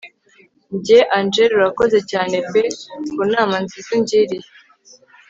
Njye Angel urakoze cyane pe ku nama nziza ungiriye